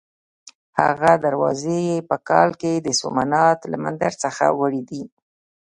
هغه دروازې یې په کال کې د سومنات له مندر څخه وړې دي.